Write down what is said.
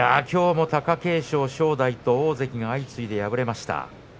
きょうも、貴景勝、正代と大関が相次いで敗れました。